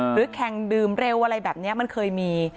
แข่งดื่มเร็วอะไรแบบนี้มันเคยมี